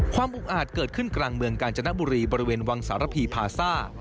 อุกอาจเกิดขึ้นกลางเมืองกาญจนบุรีบริเวณวังสารพีพาซ่า